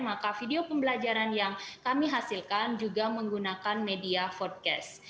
maka video pembelajaran yang kami hasilkan juga menggunakan media fodcast